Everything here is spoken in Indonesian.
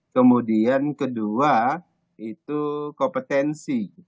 kemudian kedua itu kompetensi